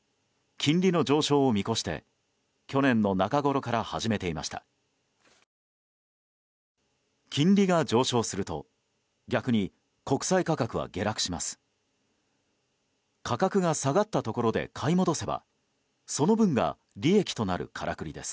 金利が上昇すると逆に国債価格は下落します。